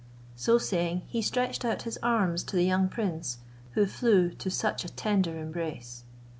So saying he stretched out his arms to the young prince, who flew to such a tender embrace.